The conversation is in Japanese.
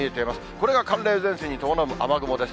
これが寒冷前線に伴う雨雲です。